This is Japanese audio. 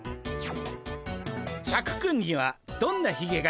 シャクくんにはどんなひげがいいかな？